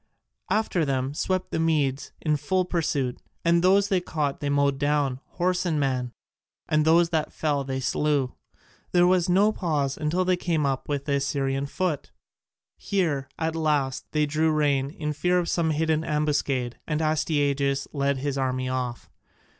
After them swept the Medes in full pursuit, and those they caught they mowed down, horse and man, and those that fell they slew. There was no pause until they came up with the Assyrian foot. Here at last they drew rein in fear of some hidden ambuscade, and Astyages led his army off.